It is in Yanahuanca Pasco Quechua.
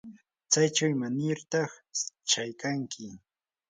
¿tsaychaw imanirtaq shaykanki?